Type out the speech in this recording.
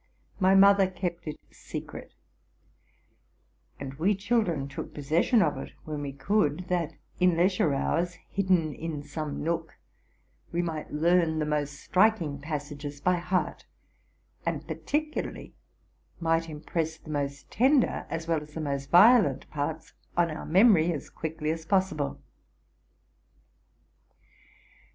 My mother kept it secret; and we children took possession of it when we could, that in leisure hours, hidden in some nook, we might learn the most striking passages by heart, and particularly might impress the most tender as well as the most violent parts on our memory as quickly as possible.